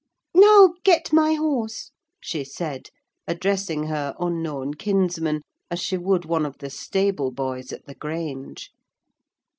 "Now, get my horse," she said, addressing her unknown kinsman as she would one of the stable boys at the Grange.